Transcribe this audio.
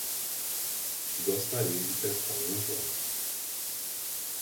Gostaria de testar a minha voz